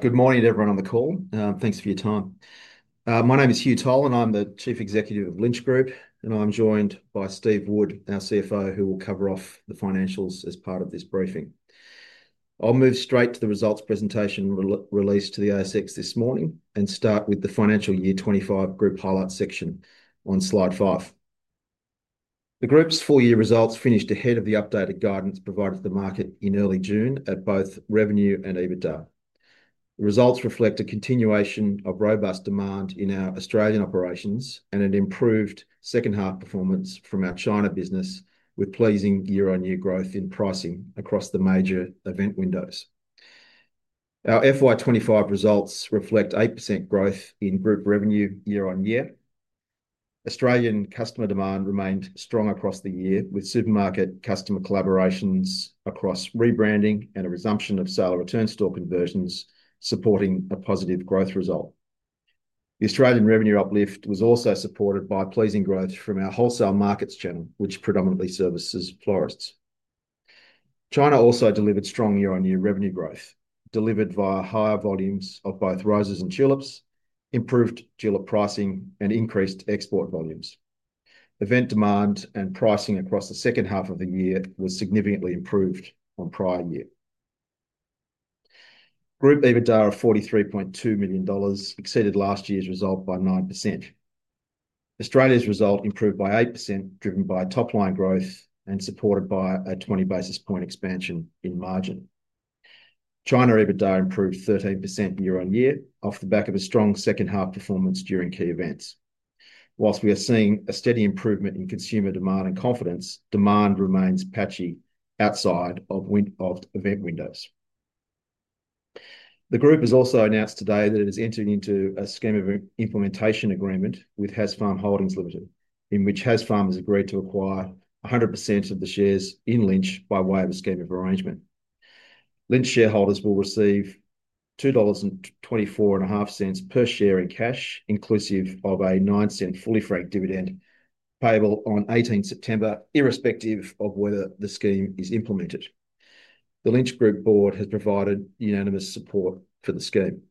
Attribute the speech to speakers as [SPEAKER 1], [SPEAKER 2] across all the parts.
[SPEAKER 1] Good morning, everyone, on the call. Thanks for your time. My name is Hugh Toll, and I'm the Chief Executive Officer of Lynch Group. I'm joined by Steve Wood, our CFO, who will cover off the financials as part of this briefing. I'll move straight to the results presentation released to the ASX this morning and start with the financial year 2025 Group Highlights section on slide five. The group's full-year results finished ahead of the updated guidance provided to the market in early June at both revenue and EBITDA. The results reflect a continuation of robust demand in our Australian operations and an improved second-half performance from our China business, with pleasing year-on-year growth in pricing across the major event windows. Our FY 2025 results reflect 8% growth in Group revenue year-on-year. Australian customer demand remained strong across the year, with supermarket customer collaborations across rebranding and a resumption of sale-return store conversions supporting a positive growth result. The Australian revenue uplift was also supported by pleasing growth from our wholesale markets channel, which predominantly services florists. China also delivered strong year-on-year revenue growth, delivered via higher volumes of both roses and tulips, improved tulip pricing, and increased export volumes. Event demand and pricing across the second half of the year were significantly improved from prior year. Group EBITDA of 43.2 million dollars exceeded last year's result by 9%. Australia's result improved by 8%, driven by top-line growth and supported by a 20 basis point expansion in margin. China EBITDA improved 13% year-on-year off the back of a strong second-half performance during key events. Whilst we are seeing a steady improvement in consumer demand and confidence, demand remains patchy outside of event windows. The group has also announced today that it has entered into a scheme of implementation agreement with Hasfarm Holdings Ltd, in which Hasfarm has agreed to acquire 100% of the shares in Lynch by way of a scheme of arrangement. Lynch shareholders will receive 2.245 dollars per share in cash, inclusive of a AUD 0.09 fully-franked dividend payable on 18 September, irrespective of whether the scheme is implemented. The Lynch Group board has provided unanimous support for the scheme.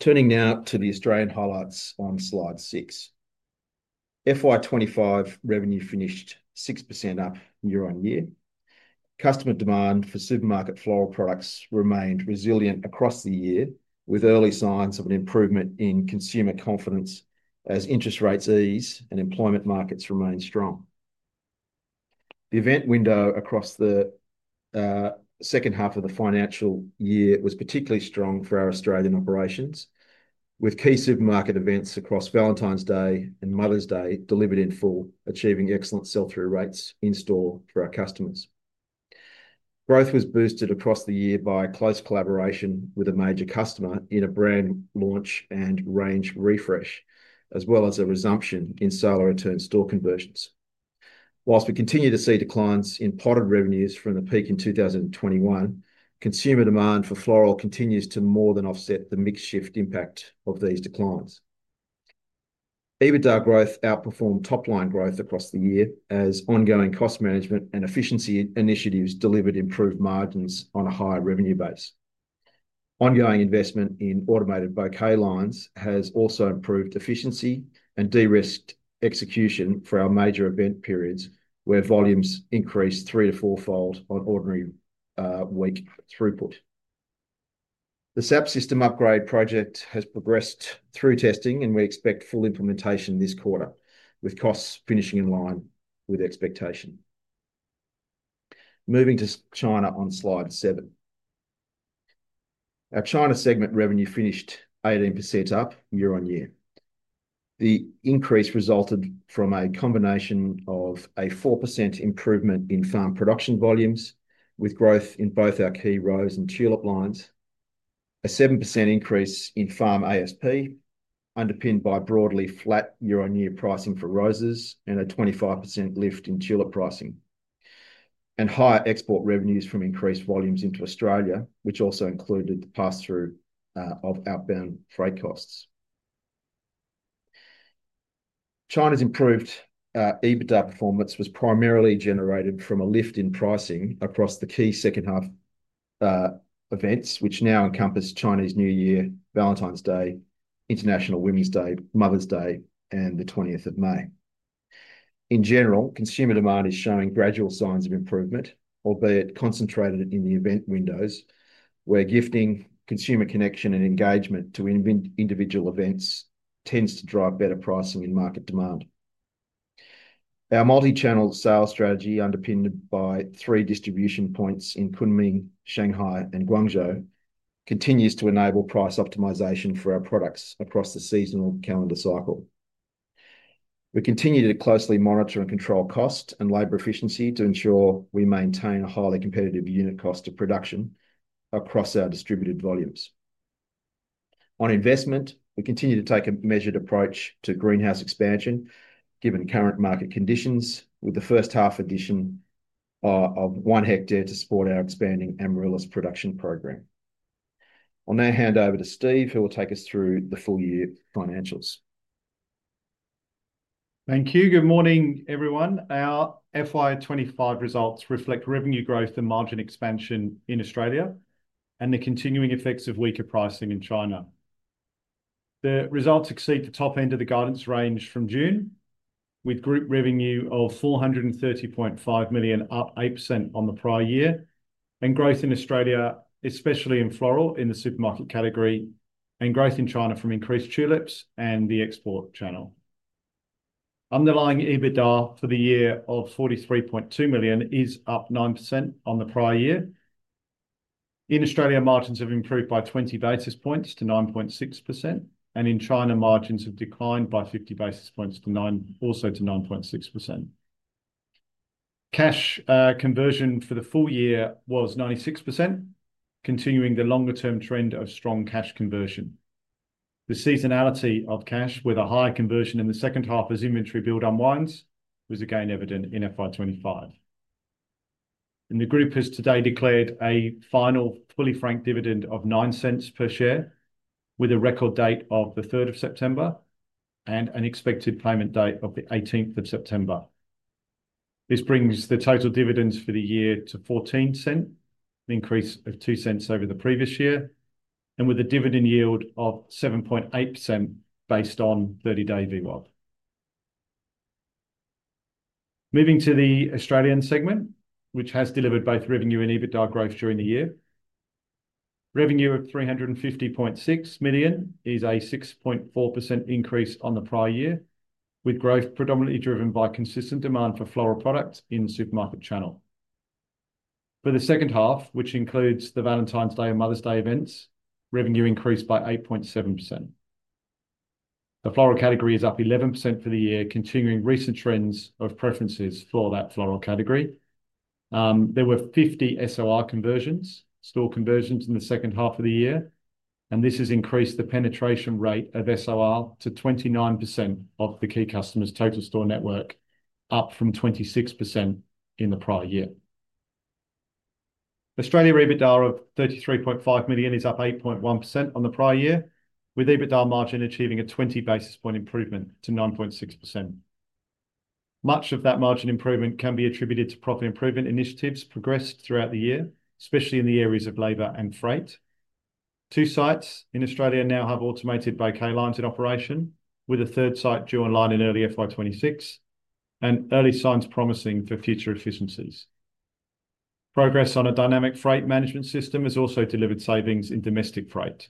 [SPEAKER 1] Turning now to the Australian highlights on slide six. FY 2025 revenue finished 6% up year-on-year. Customer demand for supermarket floral products remained resilient across the year, with early signs of an improvement in consumer confidence as interest rates ease and employment markets remain strong. The event window across the second half of the financial year was particularly strong for our Australian operations, with key supermarket events across Valentine's Day and Mother's Day delivered in full, achieving excellent sell-through rates in store for our customers. Growth was boosted across the year by close collaboration with a major customer in a brand launch and range refresh, as well as a resumption in sale-return store conversions. Whilst we continue to see declines in potted revenues from the peak in 2021, consumer demand for floral continues to more than offset the mixed-shift impact of these declines. EBITDA growth outperformed top-line growth across the year, as ongoing cost management and efficiency initiatives delivered improved margins on a high revenue base. Ongoing investment in automated bouquet lines has also improved efficiency and de-risked execution for our major event periods, where volumes increased three to fourfold on ordinary week throughput. The SAP system upgrade project has progressed through testing, and we expect full implementation this quarter, with costs finishing in line with expectation. Moving to China on slide seven. Our China segment revenue finished 18% up year-on-year. The increase resulted from a combination of a 4% improvement in farm production volumes, with growth in both our key rose and tulip lines, a 7% increase in farm ASP, underpinned by broadly flat year-on-year pricing for roses, and a 25% lift in tulip pricing, and higher export revenues from increased volumes into Australia, which also included the pass-through of outbound freight costs. China's improved EBITDA performance was primarily generated from a lift in pricing across the key second-half events, which now encompass Chinese New Year, Valentine's Day, International Women's Day, Mother's Day, and the 20th of May. In general, consumer demand is showing gradual signs of improvement, albeit concentrated in the event windows, where gifting, consumer connection, and engagement to individual events tend to drive better pricing and market demand. Our multi-channel sales strategy, underpinned by three distribution points in Kunming, Shanghai, and Guangzhou, continues to enable price optimization for our products across the seasonal calendar cycle. We continue to closely monitor and control cost and labor efficiency to ensure we maintain a highly competitive unit cost of production across our distributed volumes. On investment, we continue to take a measured approach to greenhouse expansion, given current market conditions, with the first half addition of one hectare to support our expanding amaryllis production program. I'll now hand over to Steve, who will take us through the full-year financials.
[SPEAKER 2] Thank you. Good morning, everyone. Our FY 2025 results reflect revenue growth and margin expansion in Australia and the continuing effects of weaker pricing in China. The results exceed the top end of the guidance range from June, with Group revenue of 430.5 million, up 8% on the prior year, and growth in Australia, especially in floral in the supermarket category, and growth in China from increased tulips and the export channel. Underlying EBITDA for the year of 43.2 million is up 9% on the prior year. In Australia, margins have improved by 20 basis points to 9.6%, and in China, margins have declined by 50 basis points to also 9.6%. Cash conversion for the full year was 96%, continuing the longer-term trend of strong cash conversion. The seasonality of cash, with a higher conversion in the second half as inventory build unwinds, was again evident in FY 2025. The Group has today declared a final fully-franked dividend of 0.09 per share, with a record date of the 3rd of September and an expected payment date of the 18th of September. This brings the total dividends for the year to 0.14, an increase of 0.02 over the previous year, and with a dividend yield of 7.8% based on 30-day VWAP. Moving to the Australian segment, which has delivered both revenue and EBITDA growth during the year, revenue of 350.6 million is a 6.4% increase on the prior year, with growth predominantly driven by consistent demand for floral products in the supermarket channel. For the second half, which includes the Valentine's Day and Mother's Day events, revenue increased by 8.7%. The floral category is up 11% for the year, continuing recent trends of preferences for that floral category. There were 50 sale-return store conversions in the second half of the year, and this has increased the penetration rate of sale-return to 29% of the key customers' total store network, up from 26% in the prior year. Australia EBITDA of 33.5 million is up 8.1% on the prior year, with EBITDA margin achieving a 20 basis point improvement to 9.6%. Much of that margin improvement can be attributed to profit improvement initiatives progressed throughout the year, especially in the areas of labor and freight. Two sites in Australia now have automated bouquet lines in operation, with a third site due online in early FY 2026, and early signs promising for future efficiencies. Progress on a dynamic freight management system has also delivered savings in domestic freight.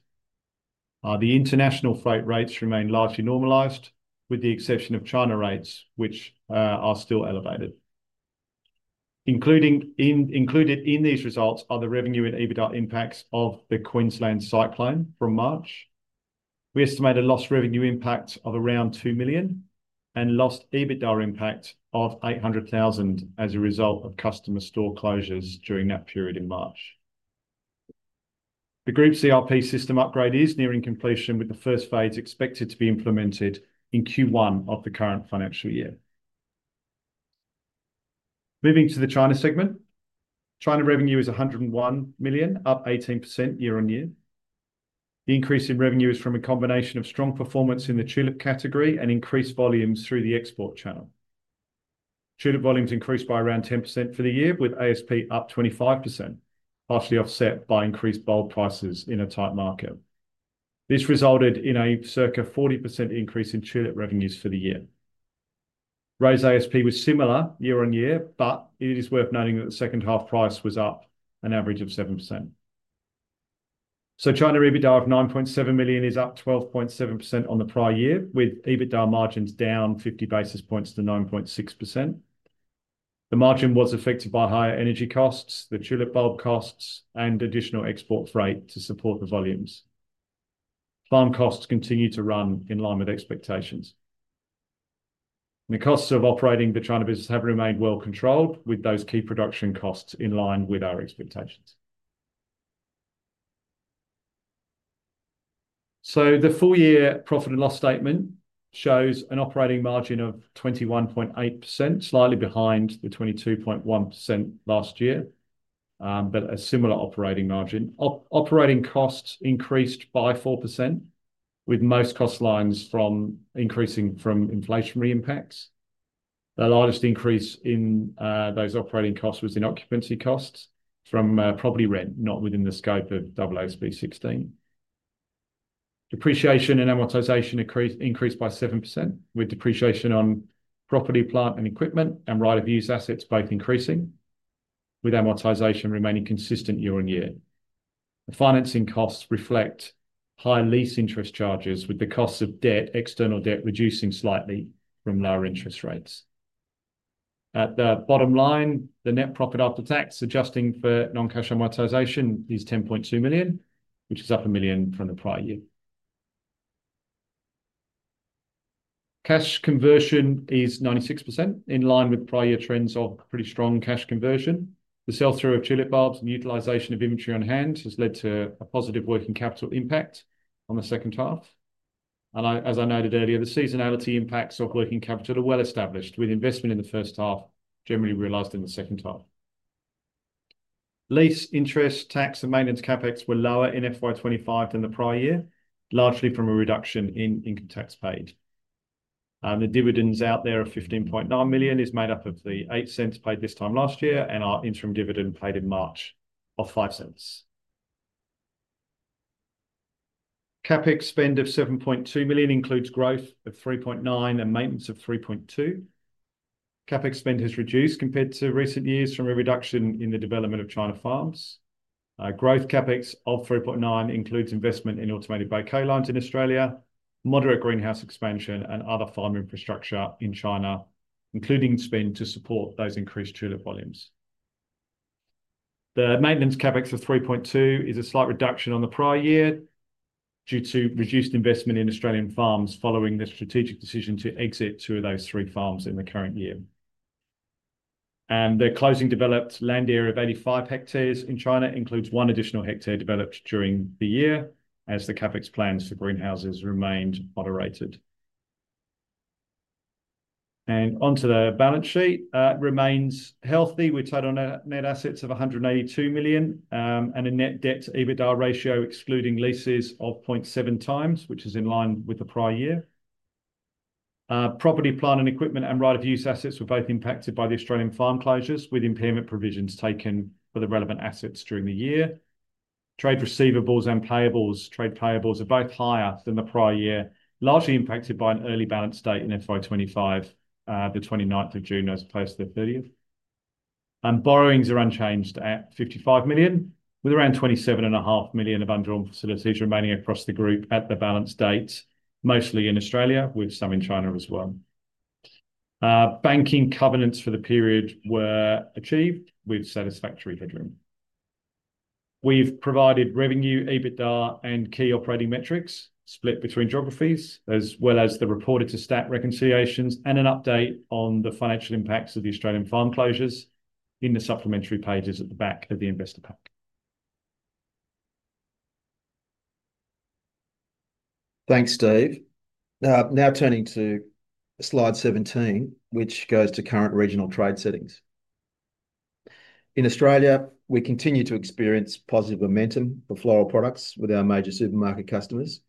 [SPEAKER 2] The international freight rates remain largely normalized, with the exception of China rates, which are still elevated. Included in these results are the revenue and EBITDA impacts of the Queensland cyclone from March. We estimate a lost revenue impact of around 2 million and lost EBITDA impact of $800,000 as a result of customer store closures during that period in March. The group CRP system upgrade is nearing completion, with the first phase expected to be implemented in Q1 of the current financial year. Moving to the China segment, China revenue is 101 million, up 18% year-on-year. The increase in revenue is from a combination of strong performance in the tulip category and increased volumes through the export channel. Tulip volumes increased by around 10% for the year, with ASP up 25%, partially offset by increased bulb prices in a tight market. This resulted in a circa 40% increase in tulip revenues for the year. Rose ASP was similar year-on-year, but it is worth noting that the second-half price was up an average of 7%. China EBITDA of 9.7 million is up 12.7% on the prior year, with EBITDA margins down 50 basis points to 9.6%. The margin was affected by higher energy costs, the tulip bulb costs, and additional export freight to support the volumes. Farm costs continue to run in line with expectations. The costs of operating the China business have remained well controlled, with those key production costs in line with our expectations. The full-year profit and loss statement shows an operating margin of 21.8%, slightly behind the 22.1% last year, but a similar operating margin. Operating costs increased by 4%, with most cost lines increasing from inflationary impacts. The largest increase in those operating costs was in occupancy costs from property rent, not within the scope of ASP 16. Depreciation and amortization increased by 7%, with depreciation on property, plant, and equipment, and right-of-use assets both increasing, with amortization remaining consistent year-on-year. The financing costs reflect high lease interest charges, with the costs of debt, external debt, reducing slightly from lower interest rates. At the bottom line, the net profit after tax adjusting for non-cash amortization is 10.2 million, which is up a million from the prior year. Cash conversion is 96%, in line with prior year trends of pretty strong cash conversion. The sell-through of tulip bulbs and utilization of inventory on hand has led to a positive working capital impact on the second half. As I noted earlier, the seasonality impacts of working capital are well established, with investment in the first half generally realized in the second half. Lease interest, tax, and maintenance capex were lower in FY 2025 than the prior year, largely from a reduction in income tax paid. The dividends out there of 15.9 million is made up of the 0.08 paid this time last year and our interim dividend paid in March of 0.05. Capex spend of 7.2 million includes growth of 3.9 million and maintenance of 3.2 million. Capex spend has reduced compared to recent years from a reduction in the development of China farms. Growth capex of 3.9 million includes investment in automated bouquet lines in Australia, moderate greenhouse expansion, and other farm infrastructure in China, including spend to support those increased tulip volumes. The maintenance capex of 3.2 million is a slight reduction on the prior year due to reduced investment in Australian farms following the strategic decision to exit two of those three farms in the current year. The closing developed land area of 85 hectares in China includes one additional hectare developed during the year, as the capex plans for greenhouses remained moderated. Onto the balance sheet, it remains healthy with total net assets of 182 million and a net debt to EBITDA ratio excluding leases of 0.7x, which is in line with the prior year. Property, plant, and equipment, and right-of-use assets were both impacted by the Australian farm closures, with impairment provisions taken for the relevant assets during the year. Trade receivables and payables, trade payables are both higher than the prior year, largely impacted by an early balance date in FY 2025, the 29th of June, as opposed to the 30th. Borrowings are unchanged at 55 million, with around 27.5 million of undrawn facilities remaining across the group at the balance date, mostly in Australia, with some in China as well. Banking covenants for the period were achieved with satisfactory headroom. We've provided revenue, EBITDA, and key operating metrics split between geographies, as well as the reported to stat reconciliations and an update on the financial impacts of the Australian farm closures in the supplementary pages at the back of the investor pack
[SPEAKER 1] Thanks, Dave. Now turning to slide 17, which goes to current regional trade settings. In Australia, we continue to experience positive momentum for floral products with our major supermarket customers,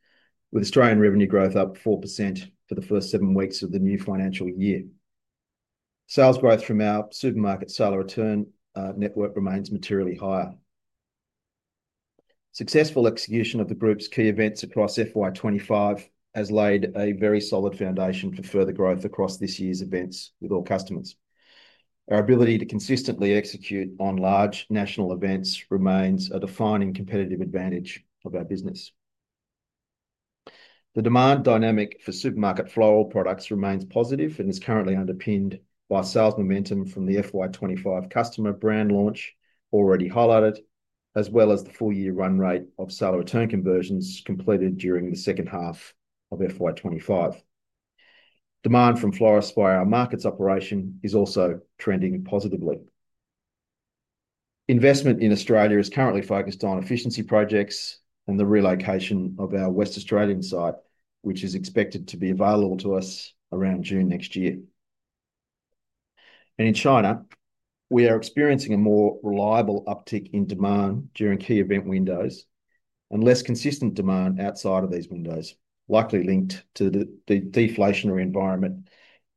[SPEAKER 1] with Australian revenue growth up 4% for the first seven weeks of the new financial year. Sales growth from our supermarket sale-return network remains materially higher. Successful execution of the group's key events across FY 2025 has laid a very solid foundation for further growth across this year's events with all customers. Our ability to consistently execute on large national events remains a defining competitive advantage of our business. The demand dynamic for supermarket floral products remains positive and is currently underpinned by sales momentum from the FY 2025 customer brand launch already highlighted, as well as the full-year run rate of sale-return conversions completed during the second half of FY 2025. Demand from florists via our markets operation is also trending positively. Investment in Australia is currently focused on efficiency projects and the relocation of our West Australian site, which is expected to be available to us around June next year. In China, we are experiencing a more reliable uptick in demand during key event windows and less consistent demand outside of these windows, likely linked to the deflationary environment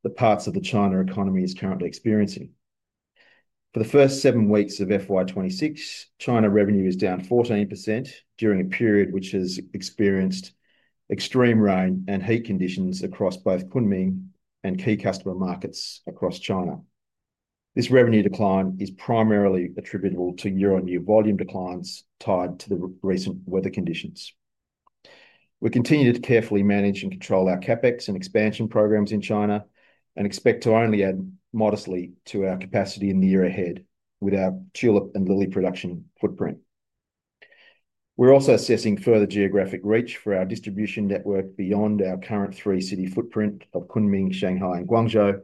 [SPEAKER 1] that parts of the China economy are currently experiencing. For the first seven weeks of FY 2026, China revenue is down 14% during a period which has experienced extreme rain and heat conditions across both Kunming and key customer markets across China. This revenue decline is primarily attributable to year-on-year volume declines tied to the recent weather conditions. We continue to carefully manage and control our CapEx and expansion programs in China and expect to only add modestly to our capacity in the year ahead with our tulip and lily production footprint. We're also assessing further geographic reach for our distribution network beyond our current three city footprint of Kunming, Shanghai, and Guangzhou,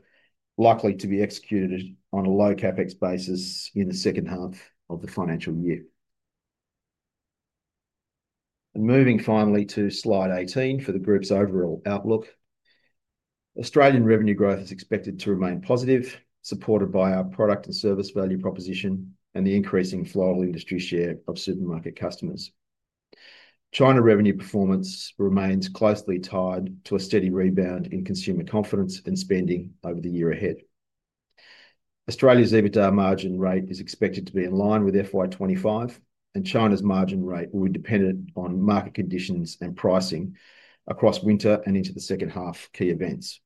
[SPEAKER 1] likely to be executed on a low capex basis in the second half of the financial year. Moving finally to slide 18 for the group's overall outlook. Australian revenue growth is expected to remain positive, supported by our product and service value proposition and the increasing floral industry share of supermarket customers. China revenue performance remains closely tied to a steady rebound in consumer confidence and spending over the year ahead. Australia's EBITDA margin rate is expected to be in line with FY25, and China's margin rate will be dependent on market conditions and pricing across winter and into the second half key events.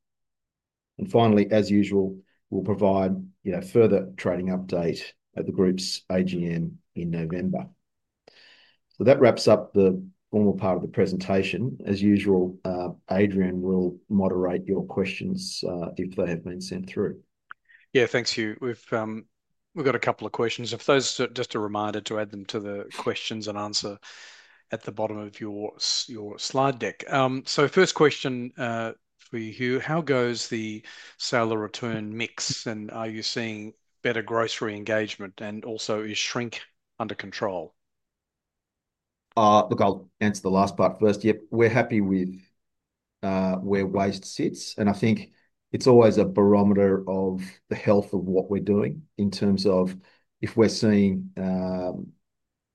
[SPEAKER 1] Finally, as usual, we'll provide a further trading update at the group's AGM in November. That wraps up the formal part of the presentation. As usual, Adrian will moderate your questions if they have been sent through.
[SPEAKER 3] Yeah, thanks, Hugh. We've got a couple of questions. Just a reminder to add them to the questions and answer at the bottom of your slide deck. First question for you, Hugh, how goes the sale-return mix and are you seeing better gross re-engagement, and also is shrink under control?
[SPEAKER 1] Look, I'll answer the last part first. Yep, we're happy with where waste sits, and I think it's always a barometer of the health of what we're doing in terms of if we're seeing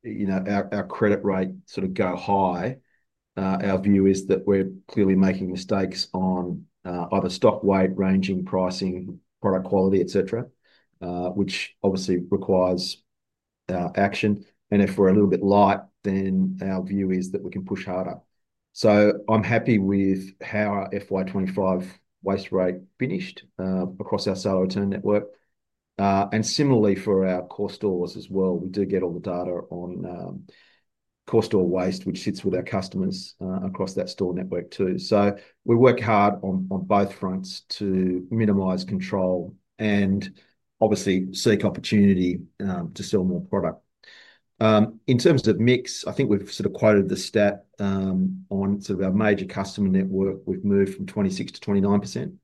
[SPEAKER 1] our credit rate sort of go high. Our view is that we're clearly making mistakes on either stock weight, ranging, pricing, product quality, et cetera, which obviously requires our action. If we're a little bit light, then our view is that we can push harder. I'm happy with how our FY 2025 waste rate finished across our sale-return network. Similarly, for our core stores as well, we do get all the data on core store waste, which sits with our customers across that store network too. We work hard on both fronts to minimize, control, and obviously seek opportunity to sell more product. In terms of the mix, I think we've sort of quoted the stat on sort of our major customer network. We've moved from 26%-29%.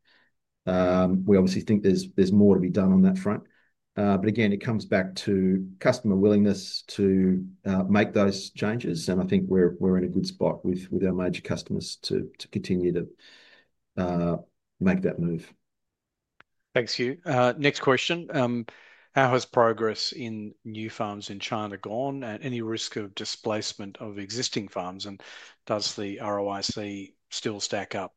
[SPEAKER 1] We obviously think there's more to be done on that front. Again, it comes back to customer willingness to make those changes, and I think we're in a good spot with our major customers to continue to make that move.
[SPEAKER 3] Thanks, Hugh. Next question, how has progress in new farms in China gone, any risk of displacement of existing farms, and does the ROIC still stack up?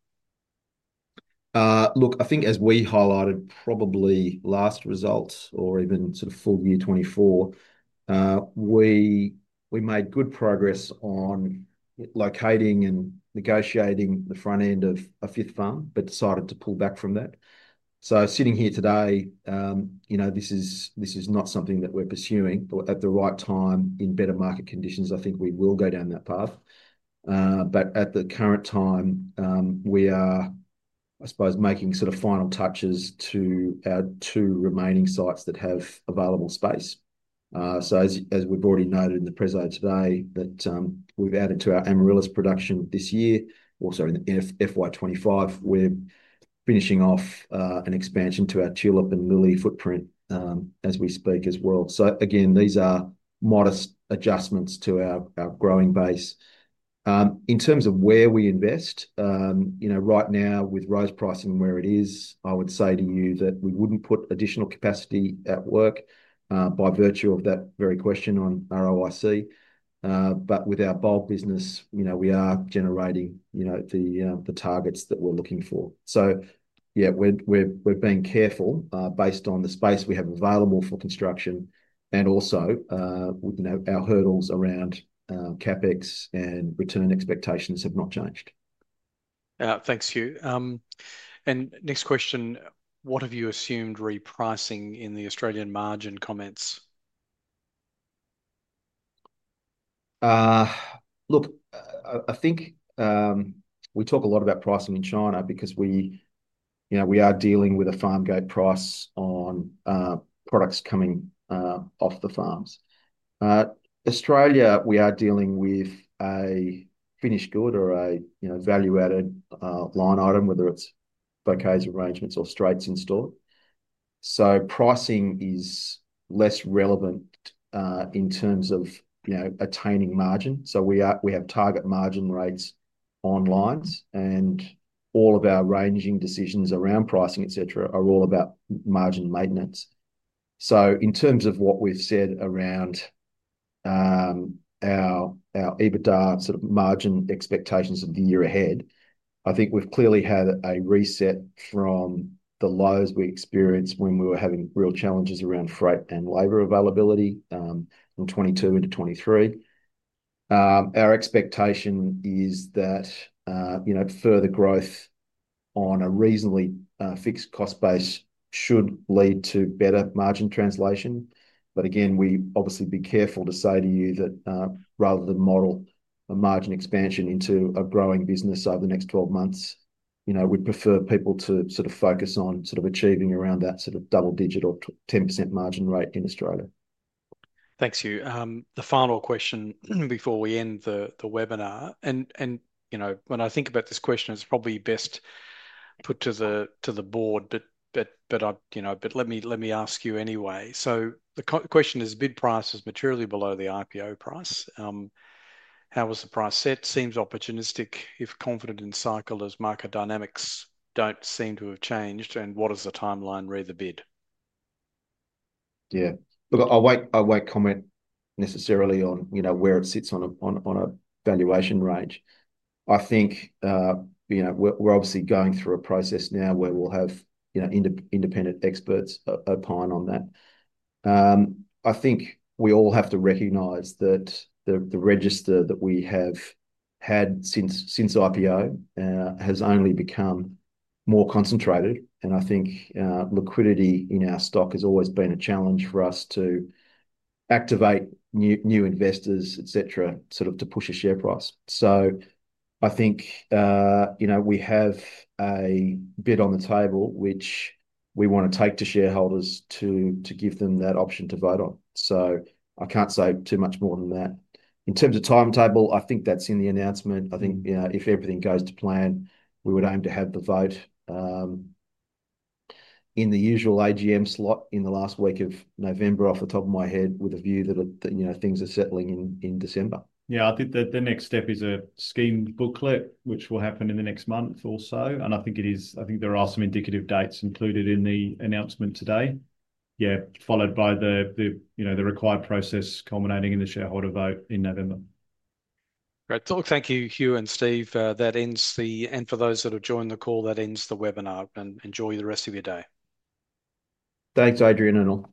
[SPEAKER 1] Look, I think as we highlighted probably last results or even sort of full year 2024, we made good progress on locating and negotiating the front end of a fifth farm, but decided to pull back from that. Sitting here today, you know this is not something that we're pursuing, but at the right time in better market conditions, I think we will go down that path. At the current time, we are, I suppose, making sort of final touches to our two remaining sites that have available space. As we've already noted in the presentation today, we've added to our amaryllis production this year. Also in FY2025, we're finishing off an expansion to our tulip and lily footprint as we speak as well. These are modest adjustments to our growing base. In terms of where we invest, you know right now with rose pricing and where it is, I would say to you that we wouldn't put additional capacity at work by virtue of that very question on ROIC. With our bulk business, you know we are generating the targets that we're looking for. We're being careful based on the space we have available for construction and also our hurdles around CapEx and return expectations have not changed.
[SPEAKER 3] Thanks, Hugh. Next question, what have you assumed repricing in the Australian margin comments?
[SPEAKER 1] Look, I think we talk a lot about pricing in China because we are dealing with a farm gate price on products coming off the farms. In Australia, we are dealing with a finished good or a value-added line item, whether it's bouquets, arrangements, or straights in store. Pricing is less relevant in terms of attaining margin. We have target margin rates on lines, and all of our ranging decisions around pricing, et cetera, are all about margin maintenance. In terms of what we've said around our EBITDA sort of margin expectations of the year ahead, I think we've clearly had a reset from the lows we experienced when we were having real challenges around freight and labor availability from 2022 into 2023. Our expectation is that further growth on a reasonably fixed cost base should lead to better margin translation. We obviously are careful to say to you that rather than model a margin expansion into a growing business over the next 12 months, we'd prefer people to focus on achieving around that double digit or 10% margin rate in Australia.
[SPEAKER 3] Thanks, Hugh. The final question before we end the webinar, and you know when I think about this question, it's probably best put to the board, but let me ask you anyway. The question is, bid price is materially below the IPO price. How was the price set? Seems opportunistic if confident in cycle as market dynamics don't seem to have changed, and what is the timeline read the bid?
[SPEAKER 1] Yeah, look, I won't comment necessarily on where it sits on a valuation range. I think we're obviously going through a process now where we'll have independent experts opine on that. I think we all have to recognize that the register that we have had since IPO has only become more concentrated, and I think liquidity in our stock has always been a challenge for us to activate new investors, et cetera, to push a share price. I think we have a bid on the table which we want to take to shareholders to give them that option to vote on. I can't say too much more than that. In terms of timetable, I think that's in the announcement. If everything goes to plan, we would aim to have the vote in the usual AGM slot in the last week of November off the top of my head, with a view that things are settling in December.
[SPEAKER 2] I think the next step is a scheme booklet which will happen in the next month or so, and I think there are some indicative dates included in the announcement today, followed by the required process culminating in the shareholder vote in November.
[SPEAKER 3] Great. Thank you, Hugh and Steve. For those that have joined the call, that ends the webinar. Enjoy the rest of your day.
[SPEAKER 1] Thanks, Adrian.